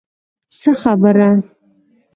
څه خبره.